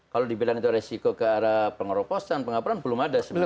kalau dibilang itu resiko ke arah pengeroposan pengaparan belum ada sebenarnya